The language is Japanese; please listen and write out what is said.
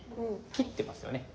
切ってますよね。